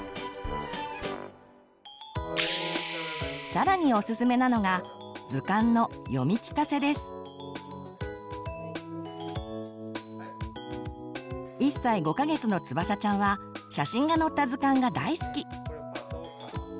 更におすすめなのが図鑑の１歳５か月のつばさちゃんは写真が載った図鑑が大好き。